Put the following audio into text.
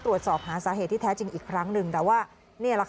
ตรวจสอบหาสาเหตุที่แท้จริงอีกครั้งหนึ่งแต่ว่านี่แหละค่ะ